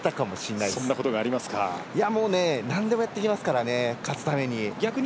なんでもやってきますからね勝つために。